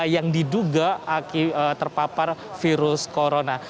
yang diduga terpapar virus corona